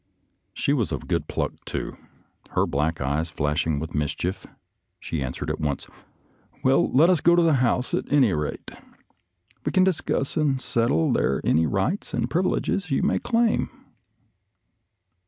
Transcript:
She was of good pluck, too. Her black eyes flashing with mischief, she answered at once, " Well, let us go to the house, at any rate — ^we can discuss and settle there any rights and privileges you may claim."